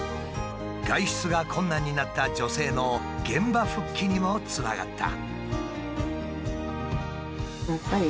外出が困難になった女性の現場復帰にもつながった。